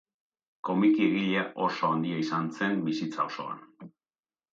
Komiki egilea oso handia izan zen bizitza osoan.